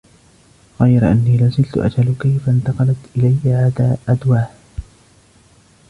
،غير أني لا زلت أجهلُ كيف انتقلت إليّ عدواه